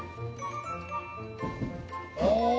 ああ！